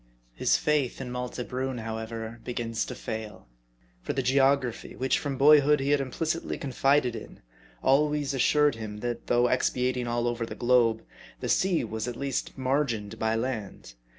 His faith in Malte Brun, however, begins to fail ; for the geography, which from boyhood he had implicitly confided in, always assured him, that though expatiating all over the globe, the sea was at least margined by land.